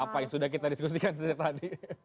apa yang sudah kita diskusikan sejak tadi